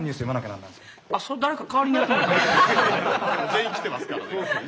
全員来てますからね。